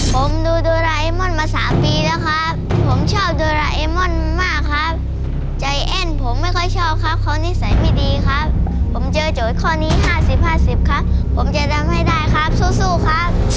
ผมดูโดราเอมอนมา๓ปีแล้วครับผมชอบโดราเอมอนมากครับใจแอ้นผมไม่ค่อยชอบครับเขานิสัยไม่ดีครับผมเจอโจทย์ข้อนี้๕๐๕๐ครับผมจะทำให้ได้ครับสู้ครับ